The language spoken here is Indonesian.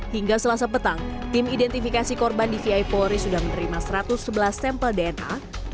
hingga selasa petang tim identifikasi korban dvi polri sudah menerima satu ratus sebelas sampel dna